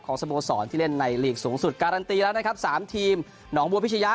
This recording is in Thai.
สโมสรที่เล่นในลีกสูงสุดการันตีแล้วนะครับสามทีมหนองบัวพิชยะ